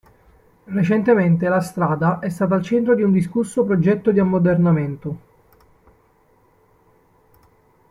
Recentemente la strada è stata al centro di un discusso progetto di ammodernamento.